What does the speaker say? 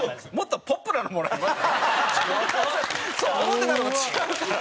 思ってたのと違うから。